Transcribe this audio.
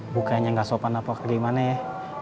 bukannya gak sopan apa kayak gimana ya